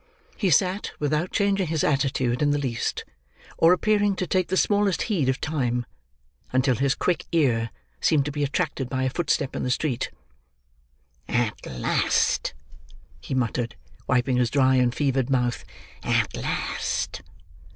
He sat without changing his attitude in the least, or appearing to take the smallest heed of time, until his quick ear seemed to be attracted by a footstep in the street. "At last," he muttered, wiping his dry and fevered mouth. "At last!"